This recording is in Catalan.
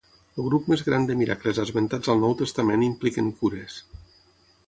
El grup més gran de miracles esmentats al Nou Testament impliquen cures.